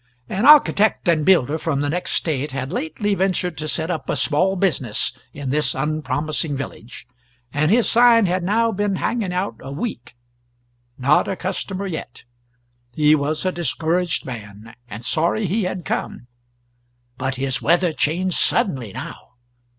An architect and builder from the next State had lately ventured to set up a small business in this unpromising village, and his sign had now been hanging out a week. Not a customer yet; he was a discouraged man, and sorry he had come. But his weather changed suddenly now.